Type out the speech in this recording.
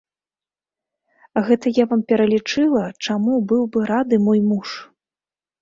Гэта я вам пералічыла, чаму быў бы рады мой муж.